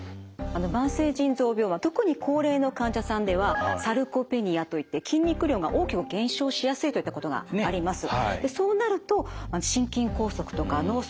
慢性腎臓病特に高齢の患者さんではサルコペニアといって筋肉量が大きく減少しやすいといったことがあります。